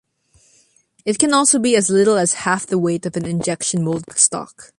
It can also be as little as half the weight of an injection-molded stock.